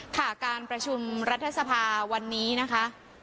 ค่ะการประชุมรัฐสภาวันนี้นะคะ